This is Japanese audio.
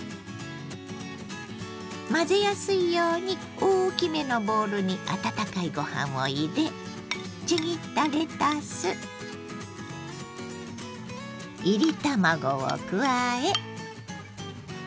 混ぜやすいように大きめのボウルに温かいご飯を入れちぎったレタスいり卵を加え。